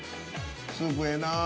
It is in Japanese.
スープええな。